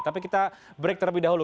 tapi kita break terlebih dahulu